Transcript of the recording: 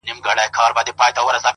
د نورو بریا ستایل لویوالی دی,